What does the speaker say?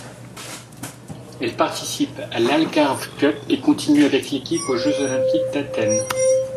Elle participe à l'Algarve Cup et continue avec l'équipe aux Jeux olympiques d'Athènes.